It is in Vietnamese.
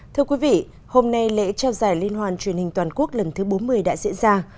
thưa quý vị hôm nay lễ trao giải liên hoàn truyền hình toàn quốc lần thứ bốn mươi đã diễn ra